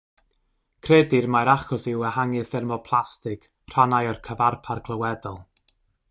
Credir mai'r achos yw ehangu thermoelastig rhannau o'r cyfarpar clywedol.